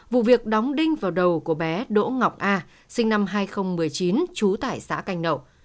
vụ việc đóng đinh vào đầu của bé đỗ ngọc a sinh năm hai nghìn một mươi chín trú tại xã canh nậu